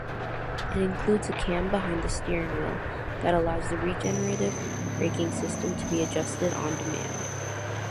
It includes a cam behind the steering wheel that allows the regenerative braking system to be adjusted on demand.